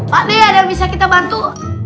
pakde ada yang bisa kita bantu